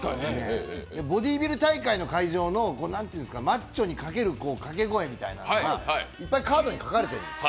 ボディビル大会の、マッチョにかけるかけ声みたいなものがいっぱいカードに書かれてるんです。